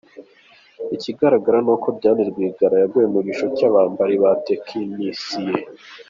Ikigaragara ni uko Diane Rwigara yaguye mu gico cy’abambari ba tekinisiye!